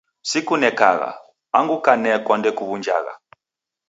Sukunekagha, angu kanekwa ndekuw'unjagha